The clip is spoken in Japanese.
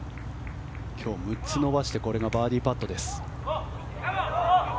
今日６つ伸ばしてこれがバーディーパット。